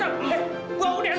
jangan duan curang duan curang lo